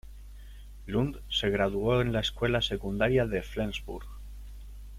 Lund se graduó en la escuela secundaria de Flensburg.